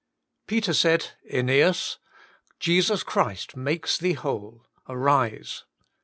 Peter said, JEiieas, Jesus Christ maketh thee whole : arise.